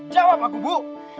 jawab aku bu